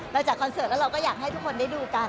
จากคอนเสิร์ตแล้วเราก็อยากให้ทุกคนได้ดูกัน